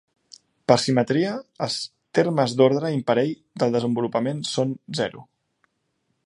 Per simetria, els termes d'ordre imparell del desenvolupament són zero.